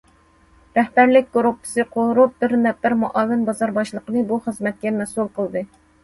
رەھبەرلىك گۇرۇپپىسى قۇرۇپ، بىر نەپەر مۇئاۋىن بازار باشلىقىنى بۇ خىزمەتكە مەسئۇل قىلدى.